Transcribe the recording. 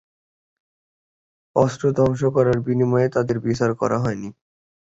অস্ত্র ধ্বংস করার বিনিময়ে তাদের বিচার করা হয়নি।